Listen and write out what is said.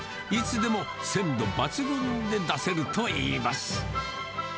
いつでも鮮度抜群で出せるといいます。